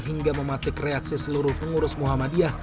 hingga mematik reaksi seluruh pengurus muhammadiyah